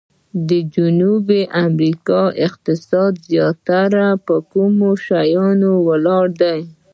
د جنوبي امریکا اقتصاد زیاتره په کومو شیانو ولاړ دی؟